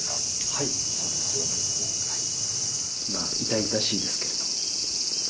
はい、痛々しいですけれども。